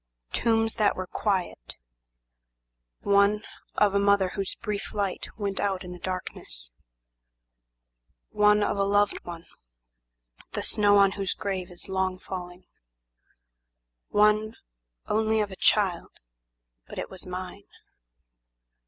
"Tombs that were quiet; One, of a mother, whose brief light went out in the darkness, One, of a loved one, the snow on whose grave is long falling, One, only of a child, but it was mine.